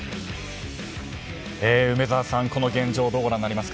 梅沢さん、この現状どうご覧になりますか？